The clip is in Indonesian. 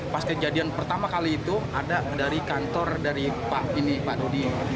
pas kejadian pertama kali itu ada dari kantor dari pak ini pak dodi